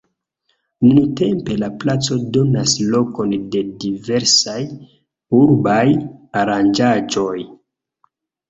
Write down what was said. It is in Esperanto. Nuntempe la placo donas lokon de diversaj urbaj aranĝaĵoj.